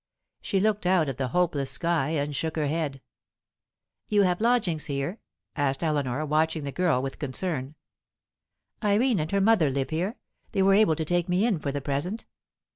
She looked out at the hopeless sky, and shook her head. "You have lodgings here?" asked Eleanor, watching the girl with concern. "Irene and her mother live here; they were able to take me in for the present.